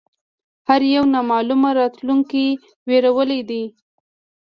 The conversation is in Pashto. هر یو نامعلومه راتلونکې وېرولی دی